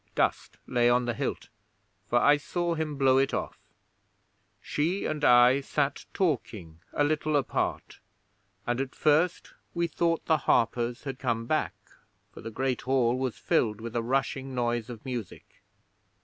Dust lay on the hilt, for I saw him blow it off. 'She and I sat talking a little apart, and at first we thought the harpers had come back, for the Great Hall was filled with a rushing noise of music.